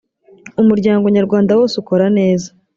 umuryango nyarwanda wose ukora neza.